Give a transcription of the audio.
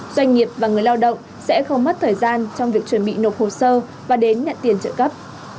doanh nghiệp và người lao động sẽ không mất thời gian trong việc chuẩn bị nộp hồ sơ và đến nhận tiền trợ cấp